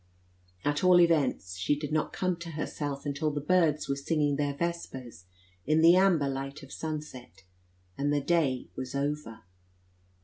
At all events, she did not come to herself until the birds were singing their vespers in the amber light of sunset, and the day was over.